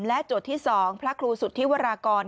และโจทย์ที่สองพระครูสุธิวรากร